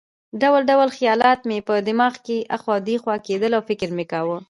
ډول ډول خیالات مې په دماغ کې اخوا دېخوا کېدل او فکر مې کاوه.